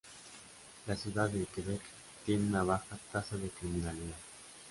La ciudad de Quebec tiene una baja tasa de criminalidad.